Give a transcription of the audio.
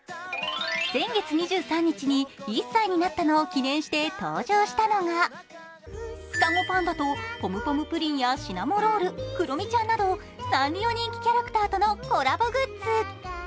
先月２３日に１歳になったのを記念して登場したのが双子パンダとポムポムプリンやシナモロールクロミちゃんなど、サンリオの人気キャラクターとのコラボグッズ。